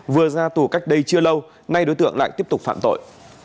vừa ra tù cách đây chưa lâu nay đối tượng lại tiếp tục phạm tội